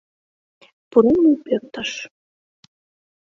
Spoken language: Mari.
Пурем мый пӧртыш.